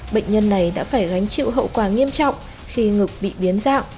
bệnh nhân này đã phải gánh chịu hậu quả nghiêm trọng khi ngực bị biến dạng